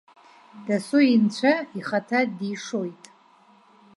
Дасу инцәа, ихаҭа дишоит.